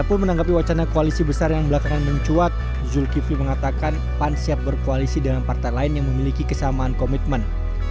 siapapun menanggapi wacana koalisi besar yang belakangan mencuat zulkifli mengatakan pan siap berkoalisi dengan partai lain yang memiliki kesamaan komitmen